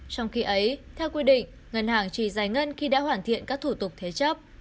trong khi ấy theo quy định ngân hàng chỉ giải ngân khi đã hoàn thiện các thủ tục thế chấp